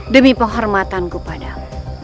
demi penghormatanku padamu